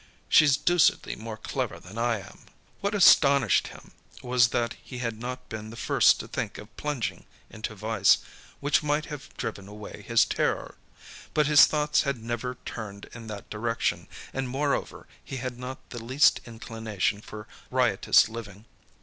She's deucedly more clever than I am." What astonished him, was that he had not been the first to think of plunging into vice, which might have driven away his terror. But his thoughts had never turned in that direction, and, moreover, he had not the least inclination for riotous living.